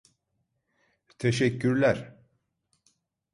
Teşekkürler...